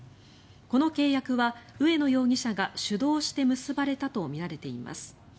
この契約は植野容疑者が主導して結ばれたとみられています。